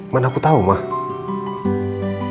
mana aku tahu mas